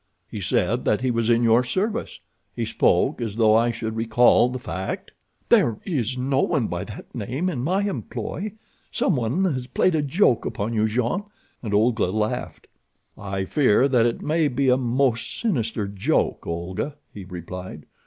"He said that he was in your service. He spoke as though I should recall the fact." "There is no one by that name in my employ. Some one has played a joke upon you, Jean," and Olga laughed. "I fear that it may be a most sinister 'joke,' Olga," he replied.